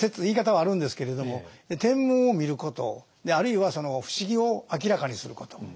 言い方はあるんですけれども天文を見ることあるいはその不思議を明らかにすること。